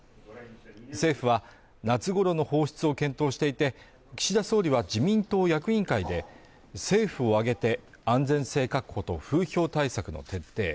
政府は夏頃の放出を検討していて、岸田総理は自民党役員会で政府を挙げて安全性確保と風評対策の徹底